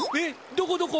どこどこ？